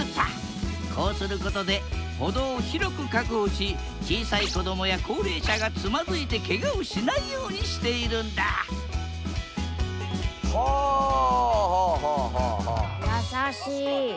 こうすることで歩道を広く確保し小さい子どもや高齢者がつまずいてケガをしないようにしているんだはあはあはあ。